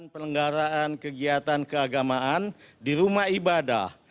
penyelenggaraan kegiatan keagamaan di rumah ibadah